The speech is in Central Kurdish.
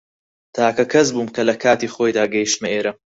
تاکە کەس بووم کە لە کاتی خۆیدا گەیشتمە ئێرە.